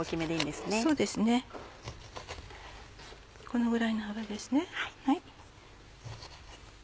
このぐらいの幅ですね。